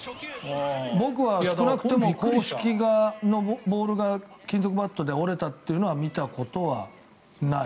僕は少なくとも硬式のボールで金属バットが折れたというのは見たことはない。